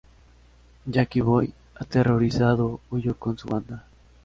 Jackie Boy, aterrorizado, huyó con su banda.